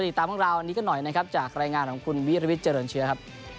สวัสดีครับคุณผู้ใหญ่